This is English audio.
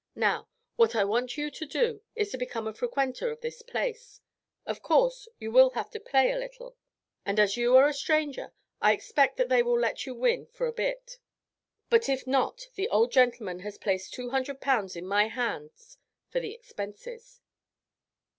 Now, what I want you to do is to become a frequenter of the place; of course you will have to play a little, and as you are a stranger I expect that they will let you win for a bit; but if not the old gentleman has placed 200 pounds in my hands for the expenses."